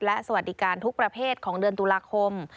และสวัสดิการทุกประเภทของเดือนตุลาคม